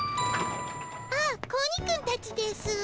あっ子鬼くんたちですぅ。